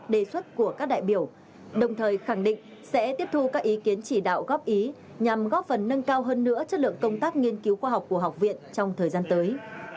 đồng thời khẳng định sẽ tiếp thu các ý kiến chỉ đạo góp ý nhằm góp phần nâng cao hơn nữa chất lượng công tác nghiên cứu khoa học của học viện trong thời gian tới